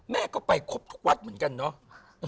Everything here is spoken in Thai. แม่ก็ไปครบทุกวัดเหมือนกันเนาะ